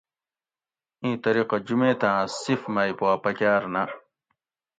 اِیں طریقہ جُمیتاۤں صف مئی پا پکاۤر نہ